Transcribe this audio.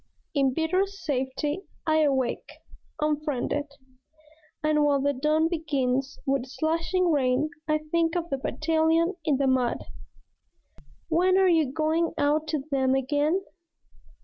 In bitter safety I awake, unfriended; And while the dawn begins with slashing rain I think of the Battalion in the mud. "When are you going out to them again?